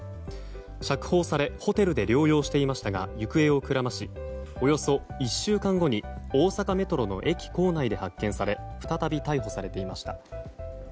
釈放されホテルで療養していましたが行方をくらましおよそ１週間後に大阪メトロの駅構内で発見され再び逮捕されていました。